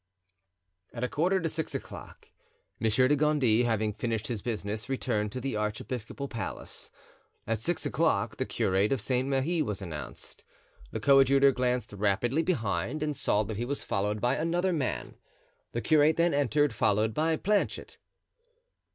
At a quarter to six o'clock, Monsieur de Gondy, having finished his business, returned to the archiepiscopal palace. At six o'clock the curate of St. Merri was announced. The coadjutor glanced rapidly behind and saw that he was followed by another man. The curate then entered, followed by Planchet.